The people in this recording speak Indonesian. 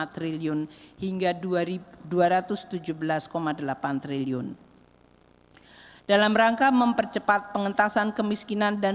satu ratus sembilan puluh satu lima triliun hingga dua ribu tujuh belas koma delapan triliun dalam rangka mempercepat pengentasan kemiskinan dan